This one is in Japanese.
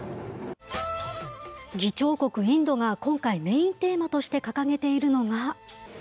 議長国インドが今回、メインテーマとして掲げているのが。